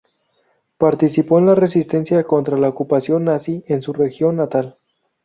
Participó en la Resistencia contra la ocupación nazi en su región natal.